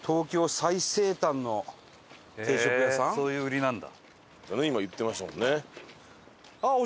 そういう売りなんだ。